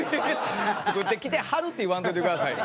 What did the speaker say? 「作ってきてはる」って言わんといてくださいよ。